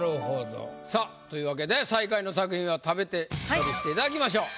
さあというわけで最下位の作品食べて処理していただきましょう。